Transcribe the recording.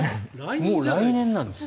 もう来年なんです。